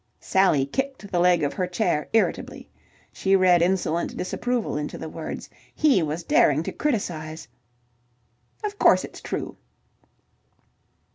Sally kicked the leg of her chair irritably. She read insolent disapproval into the words. He was daring to criticize... "Of course it's true..."